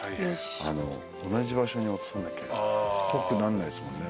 同じ場所に落とさなきゃ濃くなんないですもんね。